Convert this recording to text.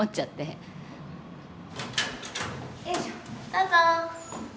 どうぞ。